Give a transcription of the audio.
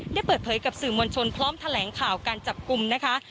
ได้เปิดเผยกับสื่อมวลชนพร้อมแถลงข่าวการจับกลุ่มนะคะ